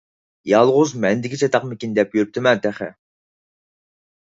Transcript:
يالغۇز مەندىكى چاتاقمىكىن دەپ يۈرۈپتىمەن تېخى.